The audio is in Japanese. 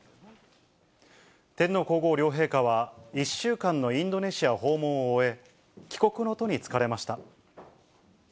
天皇皇后両陛下は、１週間のインドネシア訪問を終え、帰国の途に就かれました。